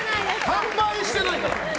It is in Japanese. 販売してないから。